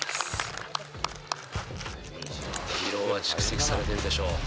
疲労は蓄積されてるでしょう。